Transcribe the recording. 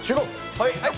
はい！